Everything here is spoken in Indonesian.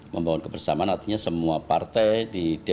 membangun kebersamaan artinya semua partai di